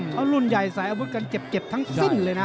เขารุ่นใหญ่ใส่อาวุธกันเจ็บทั้งสิ้นเลยนะ